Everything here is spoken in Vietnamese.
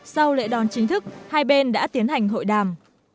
sau lễ đón chính thức hai bên đã tiến hành hội đàm